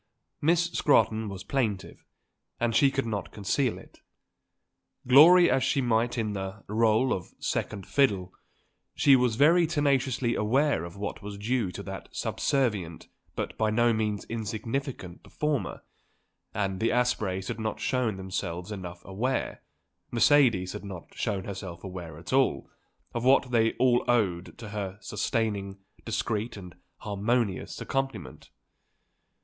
Miss Scrotton was plaintive, and she could not conceal it. Glory as she might in the rôle of second fiddle, she was very tenaciously aware of what was due to that subservient but by no means insignificant performer; and the Aspreys had not shown themselves enough aware, Mercedes had not shown herself aware at all, of what they all owed to her sustaining, discreet and harmonious accompaniment.